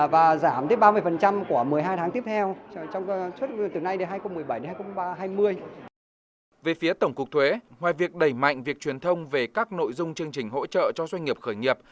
về phía tổng cục thuế ngoài việc đẩy mạnh việc truyền thông về các nội dung chương trình hỗ trợ cho doanh nghiệp khởi nghiệp